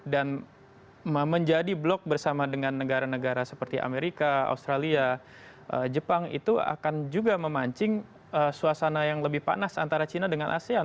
dan menjadi blok bersama dengan negara negara seperti amerika australia jepang itu akan juga memancing suasana yang lebih panas antara china dengan asean